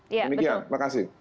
demikian terima kasih